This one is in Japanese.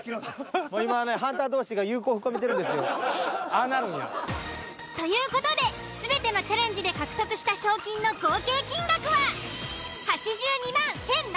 もう今ねああなるんや。という事で全てのチャレンジで獲得した賞金の合計金額は。